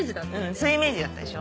そういうイメージだったでしょ。